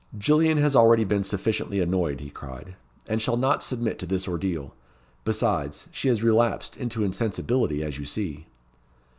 "Gillian has already been sufficiently annoyed," he cried; "and shall not submit to this ordeal. Besides, she has relapsed into insensibility, as you see."